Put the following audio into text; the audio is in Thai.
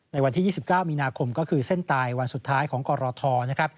วันที่๒๙มีนาคมก็คือเส้นตายวันสุดท้ายของกรทนะครับ